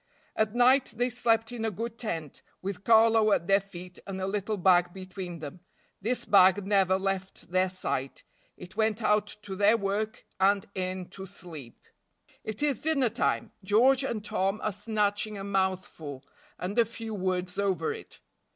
At night they slept in a good tent, with Carlo at their feet and a little bag between them; this bag never left their sight; it went out to their work and in to sleep. It is dinner time; George and Tom are snatching a mouthful, and a few words over it.